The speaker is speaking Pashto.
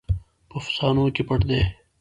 په افسانو کې پټ دی.